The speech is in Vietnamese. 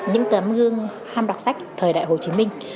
những tấm gương ham đọc sách thời đại hồ chí minh